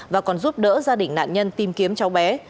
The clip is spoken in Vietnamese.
và còn giúp đỡ gia đình nạn nhân tìm kiếm cháu bé